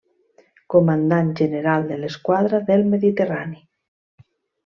Comandant general de l'esquadra del Mediterrani.